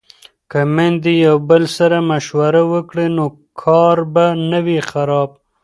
که میندې یو بل سره مشوره وکړي نو کار به نه وي خراب.